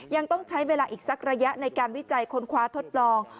ยังต้องใช้เวลาอีกสักระยะในการวิจัยค้นคว้าทดลอง